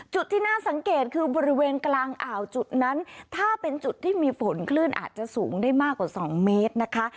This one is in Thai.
จุดที่น่าสังเกตคือบริเวณกลางอ่าวจุดนั้นถ้าเป็นจุดที่มีฝนคลื่นอาจจะสูงได้มากกว่า๒เมตรนะคะ